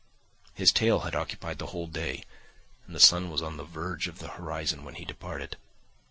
His tale had occupied the whole day, and the sun was upon the verge of the horizon when he departed.